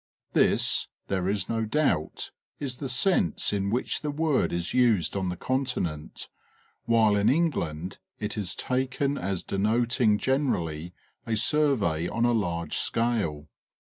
This, there is no doubt, is the sense in which the word is used on the Continent, while in England it is taken as denoting gen erally a survey on a large scale.